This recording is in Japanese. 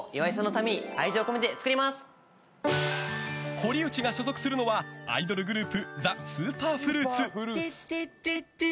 堀内が所属するのはアイドルグループＴＨＥＳＵＰＥＲＦＲＵＩＴ。